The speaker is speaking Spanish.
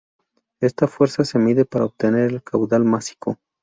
Esta fuerza se mide para obtener el caudal másico.